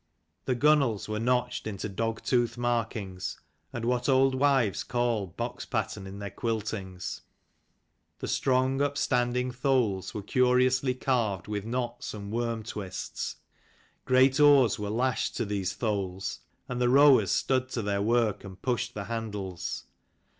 The gunwales were notched into dog tooth markings and what old wives call box pattern in their quiltings. The strong upstanding tholes were curiously carved with knots and worm twists. Great oars were lashed to these tholes and the rowers stood to their work and pushed the handles.